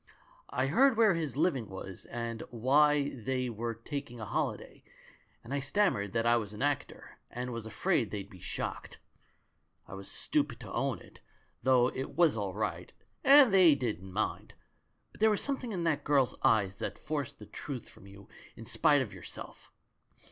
I heard where his living was, and why they were taking a holiday, and I stammered that I was an actor, and was afraid they'd be shocked. I was stupid to own it, though it was all right and they didn't mind ; but there was something in that girl's eyes that forced the truth from you in spite of your self.